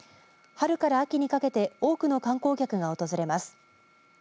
春から秋にかけて多くの観光客が訪れます。